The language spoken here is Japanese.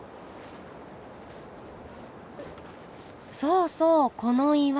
そうそうこの岩。